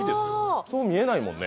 そう見えないもんね。